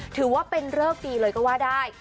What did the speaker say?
ถือว่าเป็นเริกฟรีเลยก็ว่าได้